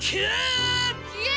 きえ！